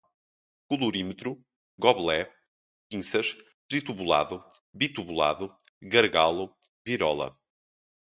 colorímetro, gobelé, pinças, tritubulado, bitubulado, gargalo, virola